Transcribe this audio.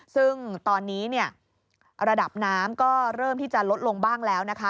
ซึ่งตอนนี้เนี่ยระดับน้ำก็เริ่มที่จะลดลงบ้างแล้วนะคะ